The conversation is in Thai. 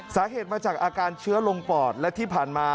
สาเหตุมาจากอาการเชื้อลงปอดและที่ผ่านมา